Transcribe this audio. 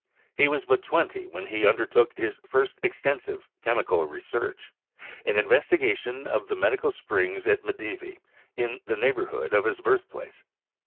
He was but twenty when he undertook his first extensive chemical research — an investigation of the medicinal springs at Medevi, in the neighborhood of his birthplace.